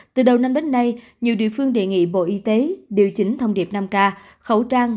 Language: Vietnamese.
từ đầu năm đến nay nhiều địa phương đề nghị bộ y tế điều chỉnh thông điệp năm k khẩu trang